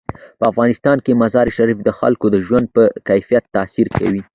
په افغانستان کې مزارشریف د خلکو د ژوند په کیفیت تاثیر کوي.